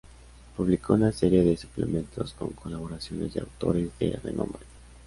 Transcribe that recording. Publicó una serie de suplementos, con colaboraciones de autores de renombre.